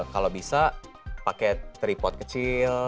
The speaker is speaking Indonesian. kalau bisa pakai tripot kecil